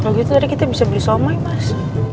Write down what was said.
kalau gitu tadi kita bisa beli siomay mas